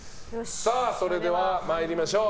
それでは参りましょう。